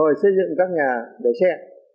rồi xây dựng các nhà để xe